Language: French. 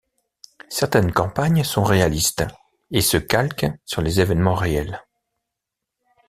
Certaines campagnes sont réalistes et se calquent sur les évènements réels.